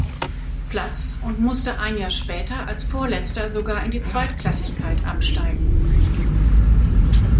Platz und musste ein Jahr später als Vorletzter sogar in die Zweitklassigkeit absteigen.